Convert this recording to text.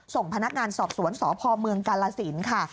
ส่งพนักงานสอบสวนสพเมืองกาลสินค่ะ